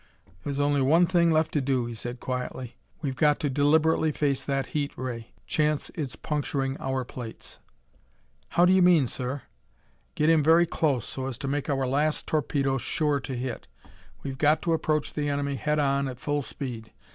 "There's only one thing left to do," he said quietly. "We've got to deliberately face that heat ray; chance its puncturing our plates." "How do you mean, sir?" "Get in very close, so as to make our last torpedo sure to hit. We've got to approach the enemy head on at full speed.